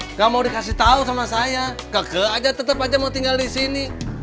nggak mau dikasih tahu sama saya gagal aja tetap aja mau tinggal di sini